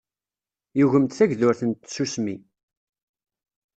Yugem-d tagdurt n tsusmi.